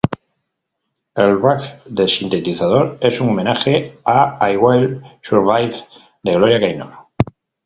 El riff de sintetizador es un homenaje a I Will Survive de Gloria Gaynor.